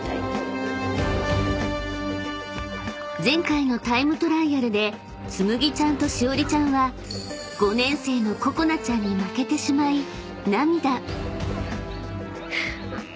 ［前回のタイムトライアルでつむぎちゃんとしおりちゃんは５年生のここなちゃんに負けてしまい］